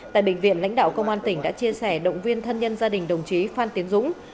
tại bệnh viện lãnh đạo công an tỉnh đã chia sẻ động viên thân nhân gia đình đồng chí phan tiến dũng